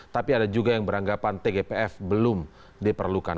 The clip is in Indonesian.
tapi ada juga yang beranggapan tgpf belum diperlukan